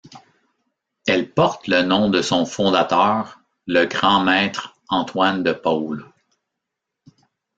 Elle porte le nom de son fondateur, le Grand Maître Antoine de Paule.